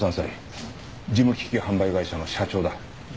事務機器販売会社の社長だ。